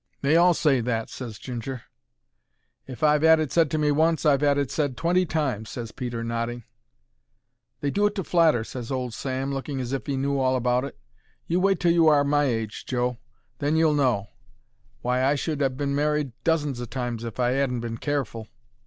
"They all say that," ses Ginger. "If I've 'ad it said to me once, I've 'ad it said twenty times," ses Peter, nodding. "They do it to flatter," ses old Sam, looking as if 'e knew all about it. "You wait till you are my age, Joe; then you'll know; why I should ha' been married dozens o' times if I 'adn't been careful."